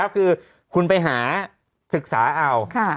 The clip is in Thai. คือคุณไปหาศึกษาเอา